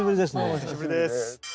お久しぶりです。